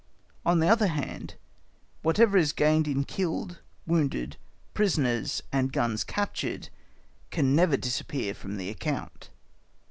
On the other hand, whatever is gained in killed, wounded, prisoners, and guns captured can never disappear from the account.